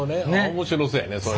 面白そうやねそれもね。